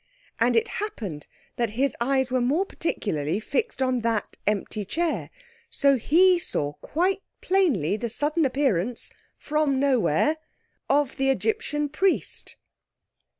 And it happened that his eyes were more particularly fixed on that empty chair. So that he saw quite plainly the sudden appearance, from nowhere, of the Egyptian Priest.